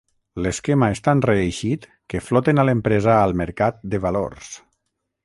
L'esquema és tan reeixit que floten a l'empresa al Mercat de Valors.